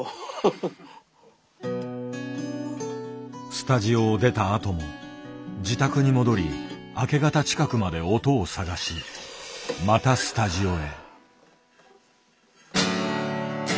スタジオを出たあとも自宅に戻り明け方近くまで音を探しまたスタジオへ。